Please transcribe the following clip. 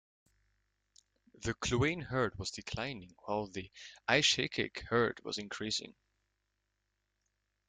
The Kluane herd was declining while the Aishihik herd was increasing.